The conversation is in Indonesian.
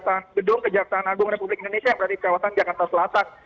di gedung kejaksaan agung jalan sultan sultan kebanyakan pekerja berpengalaman